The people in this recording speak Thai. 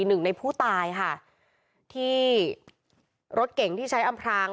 หนึ่งในผู้ตายค่ะที่รถเก่งที่ใช้อำพราง